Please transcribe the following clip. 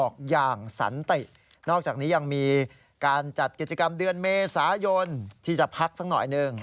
การจัดกิจกรรมเดือนเมษายนที่จะพักสักหน่อยหนึ่ง